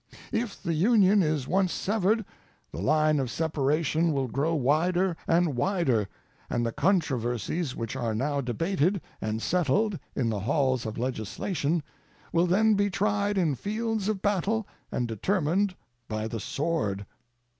If the Union is once severed, the line of separation will grow wider and wider, and the controversies which are now debated and settled in the halls of legislation will then be tried in fields of battle and determined by the sword.